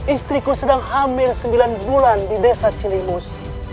istriku sedang hamil sembilan bulan di desa ciliwung